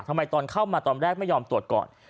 ทำไมตอนเข้ามาตอนแรกไม่ยอมตรวจก่อน